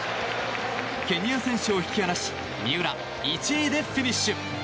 ケニア選手を引き離し三浦、１位でフィニッシュ。